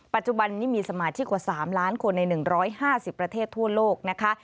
ปัจจุบันนี้มีสมาชิกกว่า๓ล้านคนใน๑๕๐ประเทศทั่วโลกนะคะ